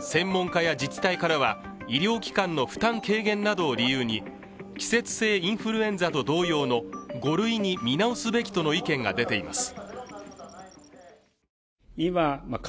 専門家や自治体からは、医療機関の負担軽減などを理由に季節性インフルエンザと同様の５類に見直すべきとの意見が出ています。